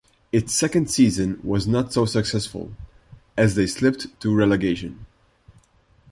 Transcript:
Its second season was not so successful, as they slipped to relegation.